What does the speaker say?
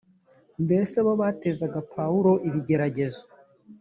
mbese bo batezaga pawulo ibigeragezo